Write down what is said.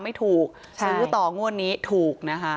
ไม่ถูกซึ่งเสียงบูตรงวดนี้ถูกนะคะ